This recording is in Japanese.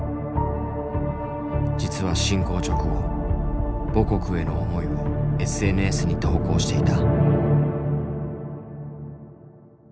実は侵攻直後母国への思いをＳＮＳに投稿していた。